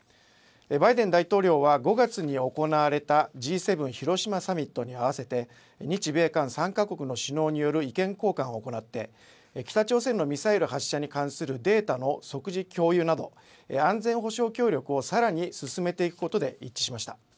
バイデン大統領は５月に行われたＧ７広島サミットに合わせて日米韓３か国の首脳による意見交換を行って北朝鮮のミサイル発射に関するデータの即時共有など安全保障協力をさらに進めていくことで一致しました。